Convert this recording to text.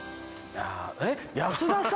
あえっ安田さん！？